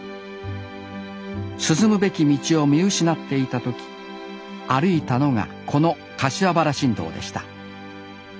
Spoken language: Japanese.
進むべき道を見失っていた時歩いたのがこの柏原新道でした